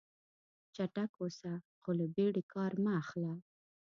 چټک اوسه خو له بیړې کار مه اخله.